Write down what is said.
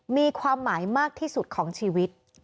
มีความหมายมากที่สุดของชีวิต